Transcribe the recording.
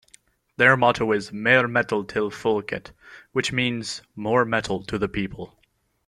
Their motto is "Mer metal til folket", which means "More metal to the people".